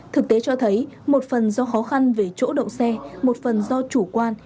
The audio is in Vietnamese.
thực tế cho thấy một phần do khó khăn về chỗ đậu xe một phần do chủ quan